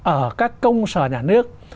ở các công sở nhà nước